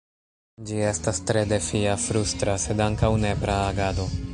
Ĝi estas tre defia, frustra, sed ankaŭ nepra agado.